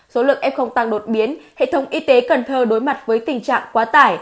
số lượng f tăng đột biến hệ thống y tế cần thơ đối mặt với tình trạng quá tải